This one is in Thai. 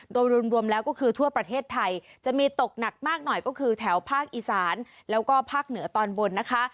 โดยรวมแล้วก็คือทั่วประเทศไทยจะมีตกหนักมากหน่อยก็คือแถวภาคอีสานแล้วก็ภาคเหนือตอนบนนะคะ